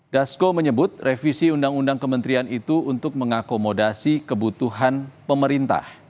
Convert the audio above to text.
dasko menyebut revisi undang undang kementerian itu untuk mengakomodasi kebutuhan pemerintah